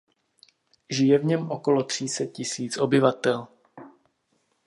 Žije v něm okolo tří set tisíc obyvatel.